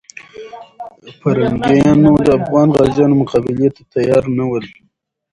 پرنګیانو د افغان غازیانو مقابلې ته تیار نه ول.